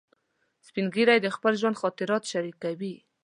سپین ږیری د خپل ژوند خاطرات شریکوي